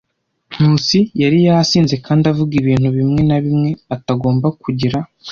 Nkusi yari yasinze kandi avuga ibintu bimwe na bimwe atagomba kugira.